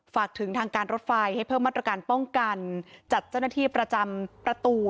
ฝากถึงทางการรถไฟให้เพิ่มมาตรการป้องกันจัดเจ้าหน้าที่ประจำประตู